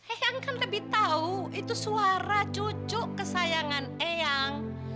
eang kan lebih tahu itu suara cucu kesayangan eang